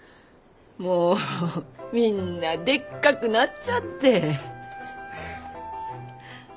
もうみんなでっかくなっちゃって。